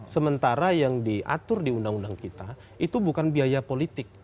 sementara yang diatur di undang undang kita itu bukan biaya politik